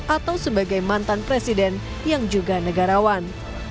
atau sebagai mantan presiden yang juga negarawan